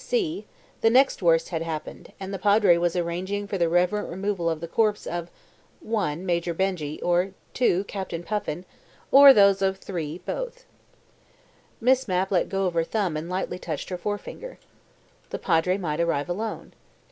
(c) The next worst had happened, and the Padre was arranging for the reverent removal of the corpse of (i) Major Benjy, or (ii) Captain Puffin, or those of (iii) Both. Miss Mapp let go of her thumb and lightly touched her forefinger. II. The Padre might arrive alone.